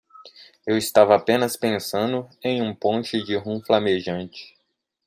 Eu estava apenas pensando em um ponche de rum flamejante.